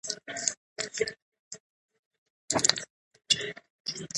ځینې سپین ږیرو ملالۍ نورزۍ وبلله.